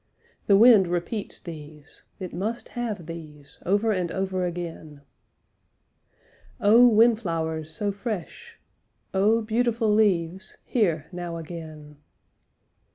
The wind repeats these, it must have these, over and over again. Oh, windflowers so fresh, Oh, beautiful leaves, here now again.